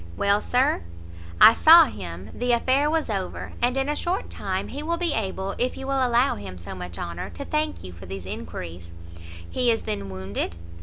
"Well, Sir?" "I saw him; the affair was over; and in a short time he will be able, if you will allow him so much honour, to thank you for these enquiries." "He is then wounded?"